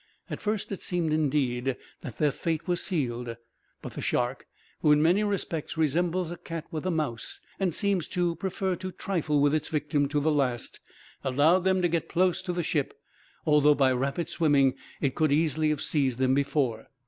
At first it seemed, indeed, that their fate was sealed; but the shark, who in many respects resembles a cat with a mouse, and seems to prefer to trifle with its victim to the last, allowed them to get close to the ship; although, by rapid swimming, it could easily have seized them before.